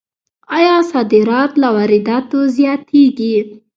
آیا صادرات له وارداتو زیاتیږي؟